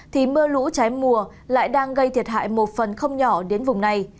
thì mưa lũ trái mùa lại đang gây thiệt hại một phần không nhỏ đến vùng này